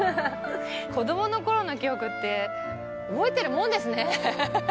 子供のころの記憶って覚えてるもんですね。